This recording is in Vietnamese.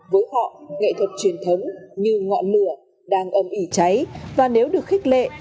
với họ nghệ thuật truyền thống như ngọn lửa đang âm ỉ cháy và nếu được khích lệ